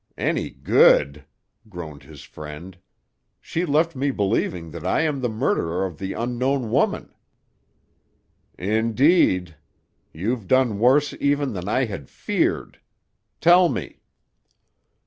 "Any good," groaned his friend. "She left me believing that I am the murderer of the unknown woman." "Indeed! You've done worse, even, than I had feared. Tell me."